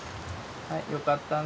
はいよかったね。